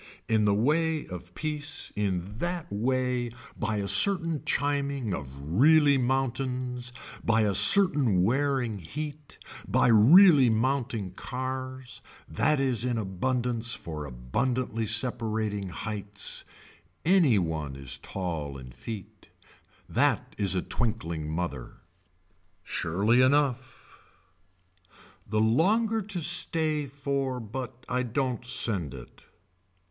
In the way of peace in that way by a certain chiming of really mountains by a certain wearing heat, by really mounting cars, that is in abundance for abundantly separating heights, any one is tall in feet, that is a twinkling mother. Surely enough. The longer to stay for but I don't send it.